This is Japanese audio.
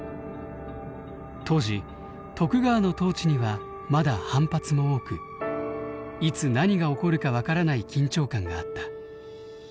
当時徳川の統治にはまだ反発も多くいつ何が起こるか分からない緊張感があった。